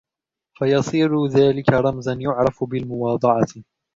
فَيَصِيرُ ذَلِكَ رَمْزًا يُعْرَفُ بِالْمُوَاضَعَةِ